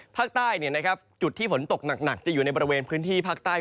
ภาคใต้จุดที่ฝนตกหนักจะอยู่ในบริเวณพื้นที่ภาคใต้